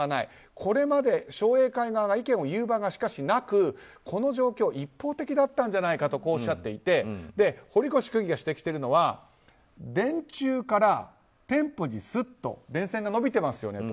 これまで商栄会側が意見を言う場がしかしなく、この状況は一方的だったんじゃないかとこうおっしゃっていて堀越区議が指摘しているのは電柱から店舗にスッと電線が伸びていますよねと。